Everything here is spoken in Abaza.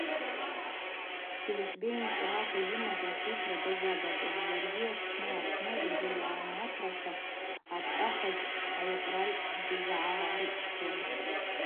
Келешбей нцӏрата йымаз ахвитра дазабакӏуан йаргьи Апсны апны зазыгӏальаматраква апшӏахыз агӏвкъралькӏ дызгӏарыцӏсуан.